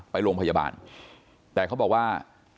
ไปโรงพยาบาลแต่เขาบอกว่า